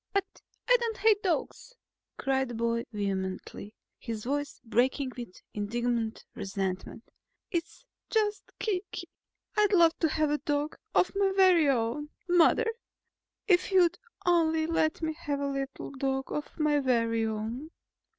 "But I don't hate dogs!" cried the boy vehemently, his voice breaking with indignant resentment. "It's just Kiki. I'd love to have a little dog of my very own, Mother. If you'd only let me have a little dog of my very own!"